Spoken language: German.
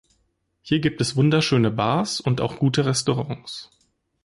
Hier gibt es wunderschöne Bars und auch gute Restaurants.